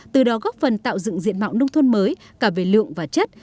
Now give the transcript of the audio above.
từ đó góp phần tạo dựng diện mạo nông thôn mới cả về lượng và chất